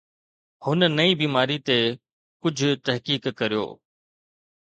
هن نئين بيماري تي ڪجهه تحقيق ڪريو